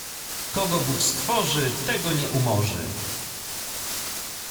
"Kogo Bóg stworzy, tego nie umorzy..."